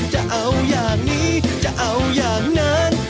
จะเอาอย่างนี้จะเอาอย่างนั้น